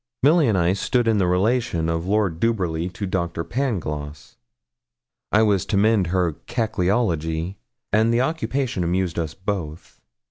Milly and I stood in the relation of Lord Duberly to Doctor Pangloss. I was to mend her 'cackleology,' and the occupation amused us both.